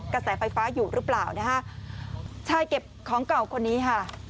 กระแสไฟฟ้าอยู่หรือเปล่านะฮะชายเก็บของเก่าคนนี้ค่ะ